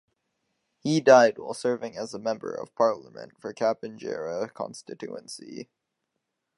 He died while serving as the member of parliament for Kapenguria Constituency.